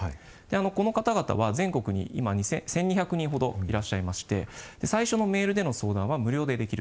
この方々は全国に今１，２００人ほどいらっしゃいまして最初のメールでの相談は無料でできるということでした。